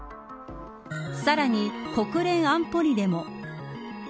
さらに、国連安保理でも。